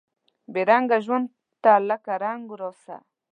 بې رنګه ژوند ته لکه رنګ راسه